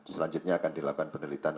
selanjutnya akan dilakukan penelitian